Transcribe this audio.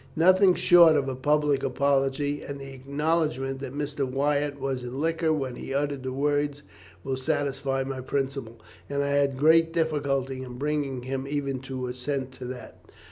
Nothing short of a public apology, and the acknowledgment that Mr. Wyatt was in liquor when he uttered the words will satisfy my principal, and I had great difficulty in bringing him even to assent to that.'